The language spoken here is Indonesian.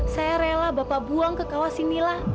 saya rela bapak buang ke kawas inilah